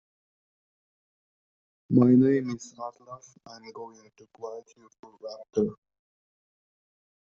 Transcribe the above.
My name is Atlas and I'm going to guide you through Rapture.